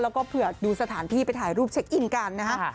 แล้วก็เผื่อดูสถานที่ไปถ่ายรูปเช็คอินกันนะฮะ